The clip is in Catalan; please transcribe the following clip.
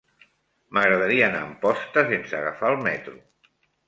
M'agradaria anar a Amposta sense agafar el metro.